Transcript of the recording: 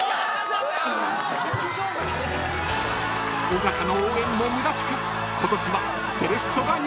［尾形の応援もむなしく今年は］